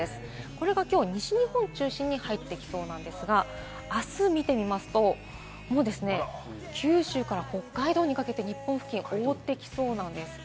これが今日、西日本を中心に入ってきそうですが、明日見てみますと九州から北海道にかけて日本付近を覆ってきそうです。